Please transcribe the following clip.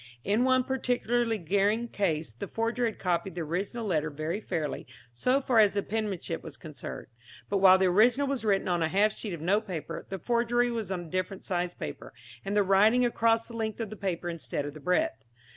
In one particularly glaring case the forger had copied the original letter very fairly so far as the penmanship was concerned, but while the original was written on a half sheet of note paper, the forgery was on a different size paper, and the writing across the length of the paper instead of the breadth.